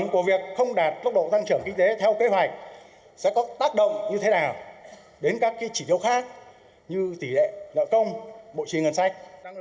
kinh tế theo kế hoạch sẽ có tác động như thế nào đến các chỉ tiêu khác như tỷ lệ nợ công bộ truyền ngân sách